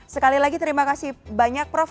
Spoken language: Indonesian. sekali lagi terima kasih banyak prof